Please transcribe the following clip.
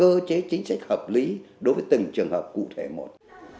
ý trách hợp lý đối với từng trường hợp cụ thể một